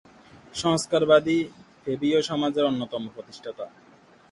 সংস্কারবাদী ফ্যাবীয় সমাজের অন্যতম প্রতিষ্ঠাতা।